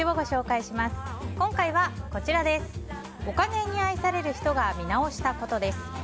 お金に愛される人が見直したことです。